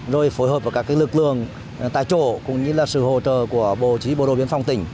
rồi phối hợp với các lực lượng tại chỗ cũng như là sự hỗ trợ của bộ chí bộ đội biên phòng tỉnh